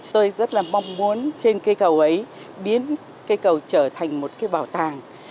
tôi rất là mong muốn trên cây cầu ấy biến cây cầu trở thành một cái bảo tàng